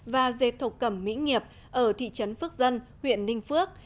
và dệt thục cầm mỹ nghiệp ở thị trấn phước dân huyện ninh phước